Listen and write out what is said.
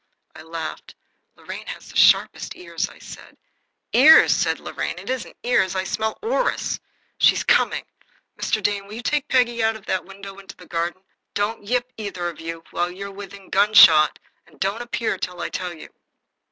I laughed. "Lorraine has the sharpest ears," I said. "Ears!" said Lorraine. "It isn't ears. I smell orris. She's coming. Mr. Dane, will you take Peggy out of that window into the garden? Don't yip, either of you, while you're within gunshot, and don't appear till I tell you."